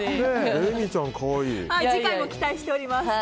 次回も期待しております。